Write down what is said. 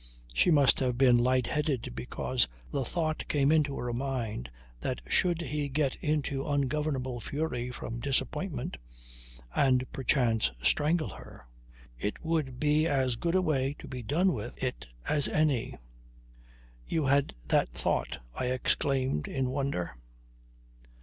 She must have been light headed because the thought came into her mind that should he get into ungovernable fury from disappointment, and perchance strangle her, it would be as good a way to be done with it as any. "You had that thought," I exclaimed in wonder.